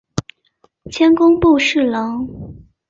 迁工部侍郎。